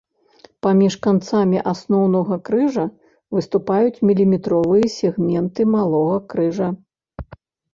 Паміж канцамі асноўнага крыжа выступаюць міліметровыя сегменты малога крыжа.